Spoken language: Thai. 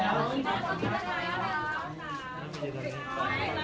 ขอบคุณครับ